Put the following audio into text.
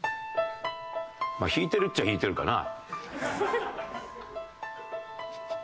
まあ引いてるっちゃ引いてるかな。